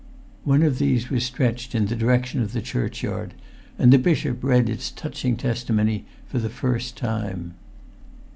One of these was stretched in the direction of the churchyard; and the bishop read its touching testimony for the first time.